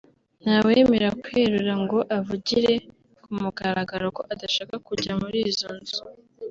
ntawemera kwerura ngo avugire ku mugaragaro ko adashaka kujya muri izo nzu